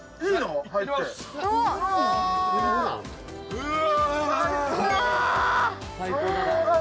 うわ！